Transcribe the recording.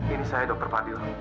ini saya dokter fadil